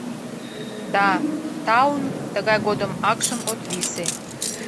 Да таун тыгай годым акшым от висе!